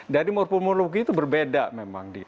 dari morpomologi itu berbeda memang